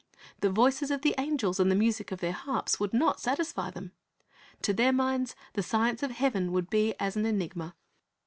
The voices of the angels and the music of their harps would not, satisfy them. To their minds the science of heaven would be as an enigma.